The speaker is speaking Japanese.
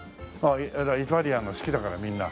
イタリアンが好きだからみんな。